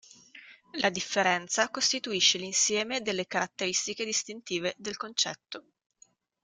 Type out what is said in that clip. La differenza costituisce l'insieme delle "caratteristiche distintive" del concetto.